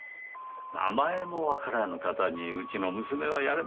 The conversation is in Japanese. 名前もわからぬ方にうちの娘はやれませんねえ。